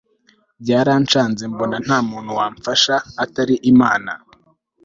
byarancanze mbona nta muntu wamfasha atari imana